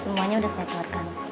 buahnya udah saya keluarkan